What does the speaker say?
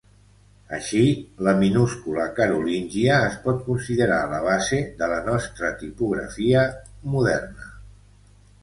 Així, la minúscula carolíngia es pot considerar la base de la nostra tipografia moderna.